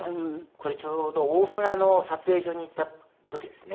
これちょうど大船の撮影所に行った時ですね。